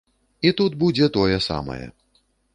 І тут будзе тое самае.